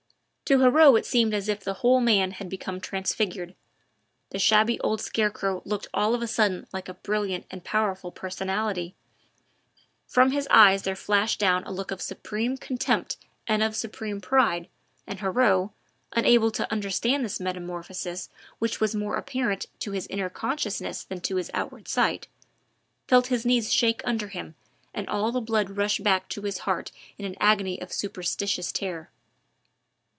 To Heriot it seemed as if the whole man had become transfigured; the shabby old scarecrow looked all of a sudden like a brilliant and powerful personality; from his eyes there flashed down a look of supreme contempt and of supreme pride, and Heriot unable to understand this metamorphosis which was more apparent to his inner consciousness than to his outward sight, felt his knees shake under him and all the blood rush back to his heart in an agony of superstitious terror.